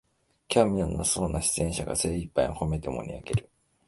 興味のなさそうな出演者が精いっぱいほめて盛りあげる